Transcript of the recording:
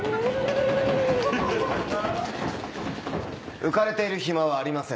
・浮かれている暇はありません。